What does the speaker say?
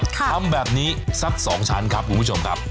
ทำแบบนี้สัก๒ชั้นครับคุณผู้ชมครับ